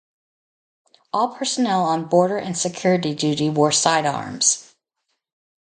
All personnel on border and security duty wore sidearms.